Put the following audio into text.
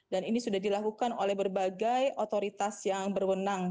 dan ini sudah dilakukan oleh berbagai otoritas yang berwenang